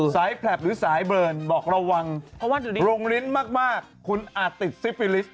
แผลแพลปหรือสายเบิร์นบอกระวังลงลิ้นมากคุณอาจติดซิฟิลิสต